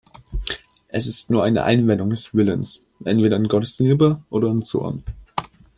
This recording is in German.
Es ist nur eine Einwendung des Willens entweder in Gottes Liebe oder in Zorn“.